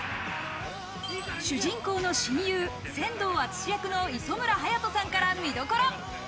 主人公の親友・千堂敦役の磯村勇斗さんから見どころ。